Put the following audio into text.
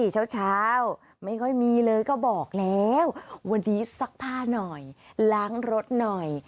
เช้าไม่ค่อยมีเลยก็บอกแล้ววันนี้ซักผ้าหน่อยล้างรถหน่อย